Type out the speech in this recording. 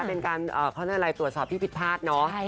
เป็นการเอ่อข้อใจล่ะตรวจสอบที่ผิดพลาดเนอะ